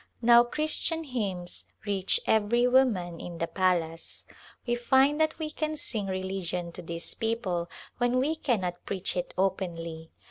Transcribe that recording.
Now Christian hymns reach every woman in the palace. We find that we can sing religion to these people when we cannot preach it openly.